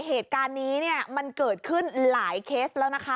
เหตุการณ์นี้เนี่ยมันเกิดขึ้นหลายเคสแล้วนะคะ